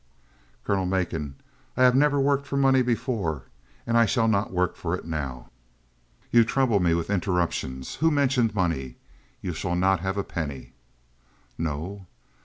"Colonel Macon, I have never worked for money before and I shall not work for it now." "You trouble me with interruptions. Who mentioned money? You shall not have a penny!" "No?"